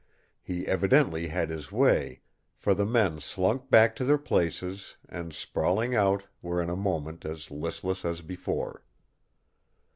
He evidently had his way, for the men slunk back to their places and, sprawling out, were in a moment as listless as before.